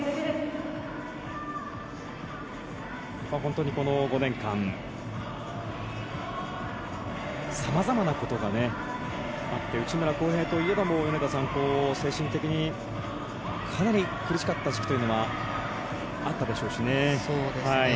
本当にこの５年間さまざまなことがあって内村航平といえば精神的にかなり苦しかった時期というのはあったでしょうしね。